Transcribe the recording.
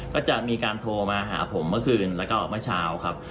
ก็จะมีการโทรมาหาผมเมื่อคืนแล้วก็เมื่อเช้าครับ